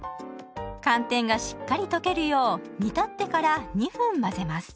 寒天がしっかり溶けるよう煮立ってから２分混ぜます。